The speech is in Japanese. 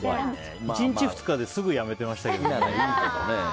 １日、２日ですぐやめてましたけど。